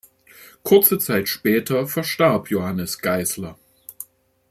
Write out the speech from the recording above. Kurze Zeit später verstarb Johannes Geisler.